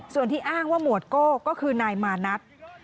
ส่วนที่อ้างว่าหมวดโก้ก็คือนายมานัท